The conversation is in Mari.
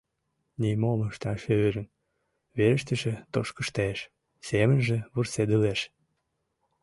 Нимом ышташ ӧрын, верыштыже тошкыштеш, семынже вурседылеш.